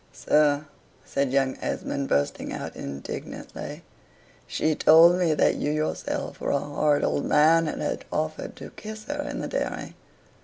"Sir," said young Esmond, bursting out indignantly, "she told me that you yourself were a horrid old man, and had offered to kiss her in the dairy."